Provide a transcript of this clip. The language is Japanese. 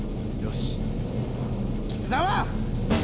よし。